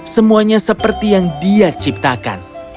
semuanya seperti yang dia ciptakan